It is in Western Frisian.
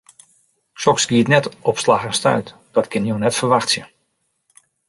Soks giet net op slach en stuit, dat kinne jo net ferwachtsje.